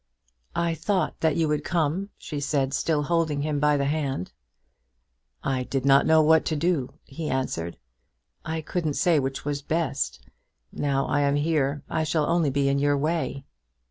"I thought that you would come," she said, still holding him by the hand. "I did not know what to do," he answered. "I couldn't say which was best. Now I am here I shall only be in your way."